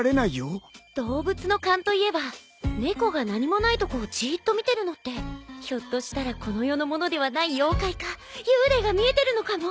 動物の勘といえば猫が何もないとこをじーっと見てるのってひょっとしたらこの世のものではない妖怪か幽霊が見えてるのかも。